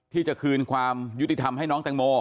ที่จะคืนความยุติธรรมให้น้องแตงโม